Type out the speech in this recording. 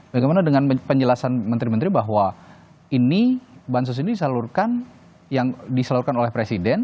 bagaimana dengan penjelasan menteri menteri bahwa ini bansos ini disalurkan yang disalurkan oleh presiden